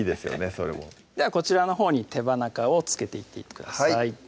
それもではこちらのほうに手羽中を漬けていってください